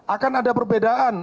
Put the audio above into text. akan ada perbedaan